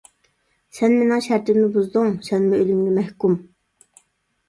سەن مېنىڭ شەرتىمنى بۇزدۇڭ، سەنمۇ ئۆلۈمگە مەھكۇم!